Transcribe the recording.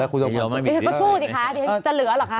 ก็สู้สิคะเดี๋ยวจะเหลือหรอคะ